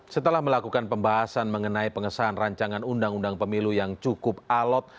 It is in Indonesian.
setelah melakukan pembahasan mengenai pengesahan rancangan undang undang pemilu yang cukup alot